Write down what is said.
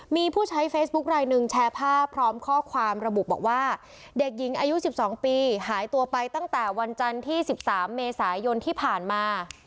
มีผู้ใช้เฟซบุ๊คลายหนึ่งแชร์ภาพพร้อมข้อความระบุบอกว่าเด็กหญิงอายุ๑๒ปีหายตัวไปตั้งแต่วันจันทร์ที่๑๓เมษายนที่ผ่านมา